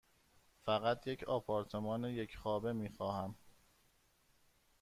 فقط یک آپارتمان یک خوابه می خواهم.